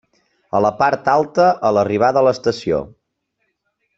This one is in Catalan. A la part alta a l'arribada a l'estació.